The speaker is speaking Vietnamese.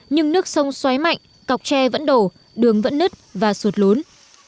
nhưng nước sông xoáy mạnh cọc tre vẫn đổ đường vẫn nứt và suột lốn